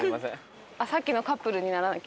あっさっきのカップルにならなきゃ。